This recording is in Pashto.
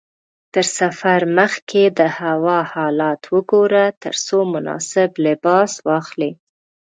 تر سفر مخکې د هوا حالت وګوره ترڅو مناسب لباس واخلې.